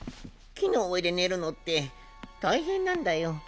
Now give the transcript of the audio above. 木の上で寝るのって大変なんだよ。